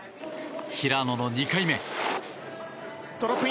平野の２回目。